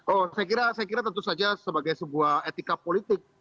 oh saya kira tentu saja sebagai sebuah etika politik